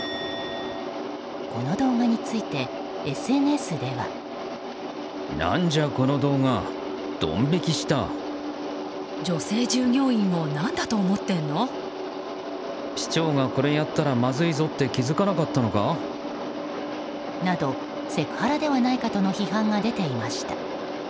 この動画についてＳＮＳでは。など、セクハラではないかとの批判が出ていました。